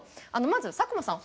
まず佐久間さん。